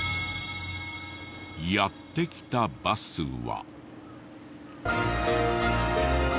やって来たバスは。